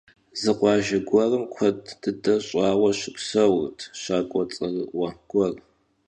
Zı khuajje guerım kued dıde ş'aue şıpseurt şak'ue ts'erı'ue guer.